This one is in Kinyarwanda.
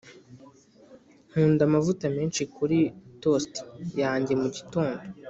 nkunda amavuta menshi kuri toast yanjye mugitondo.